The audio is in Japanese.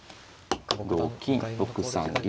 同金６三銀。